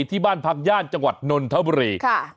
ที่บ้านพักย่านจังหวัดนนทบุรี